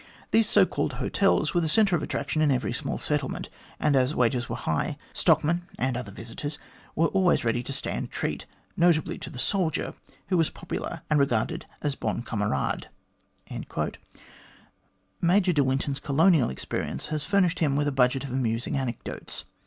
These so called 'hotels' were the centre of attraction in every small settlement, and as wages were high, stockmen and other visitors were always ready to stand treat, notably to the soldier, who was popular and regarded as Ion camarade." Major de Winton's colonial experience has furnished him with a budget of amusing anecdotes.